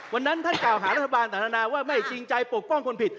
วันนั้นท่านกล่าวหารัฐบาลต่างนานาว่าไม่จริงใจปกป้องคนผิด